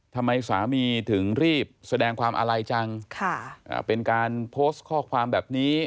ทำไมสามีถึงรีบแสดงความอาลัยจังเป็นการโพสต์ข้อความแบบนี้